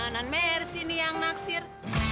nen mersi ini yang naksir